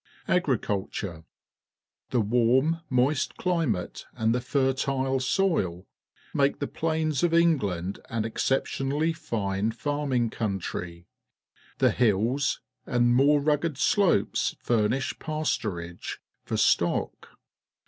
Agriculture. — The warm, moist climate and the fertile soil make the plains of England an exceptionally fine farming country. The hUls and more rugged slopes furnish pasturage for stock.